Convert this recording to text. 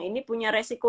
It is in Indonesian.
ini punya resiko